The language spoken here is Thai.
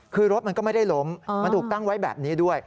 คือรถมันก็ไม่ได้ล้มมันถูกตั้งไว้แบบนี้ด้วย